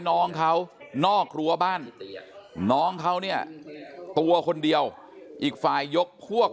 น้องเขานอกรั้วบ้านน้องเขาเนี่ยตัวคนเดียวอีกฝ่ายยกพวก